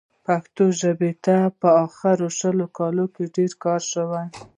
پښتو ژبې ته په اخرو شلو کالونو کې ډېر کار شوی.